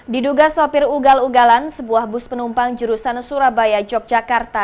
diduga sopir ugal ugalan sebuah bus penumpang jurusan surabaya yogyakarta